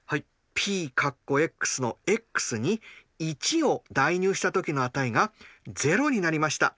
Ｐのｘに１を代入したときの値が０になりました。